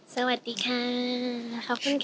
สวัสดีค่ะขอบคุณค่ะ